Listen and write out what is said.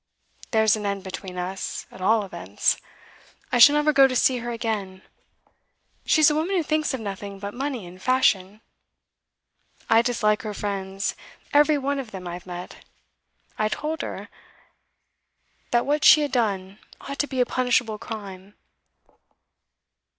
There's an end between us, at all events. I shall never go to see her again; she's a woman who thinks of nothing but money and fashion. I dislike her friends, every one of them I've met. I told her that what she had done ought to be a punishable crime.